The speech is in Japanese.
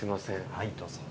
はいどうぞ。